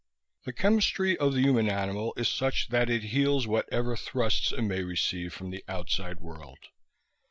The chemistry of the human animal is such that it heals whatever thrusts it may receive from the outside world.